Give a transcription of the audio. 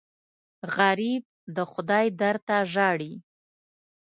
غریب د خدای در ته ژاړي